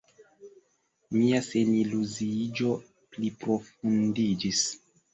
Mia seniluziiĝo pliprofundiĝis.